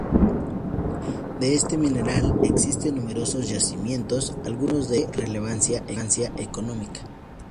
De este mineral existen numerosos yacimientos, algunos de ellos de relevancia económica.